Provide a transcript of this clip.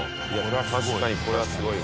確かにこれはすごいわ。